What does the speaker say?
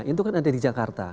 itu kan ada di jakarta